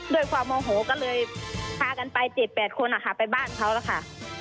ด้วยความโมโหก็เลยพากันไป๗๘คนไปบ้านเขาแล้วค่ะ